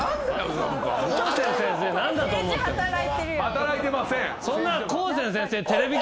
働いてません。